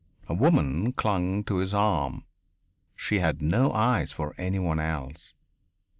A woman clung to his arm. She had no eyes for any one else.